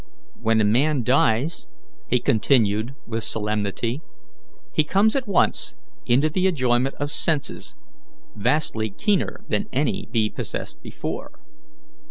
When a man dies," he continued with solemnity, "he comes at once into the enjoyment of senses vastly keener than any be possessed before.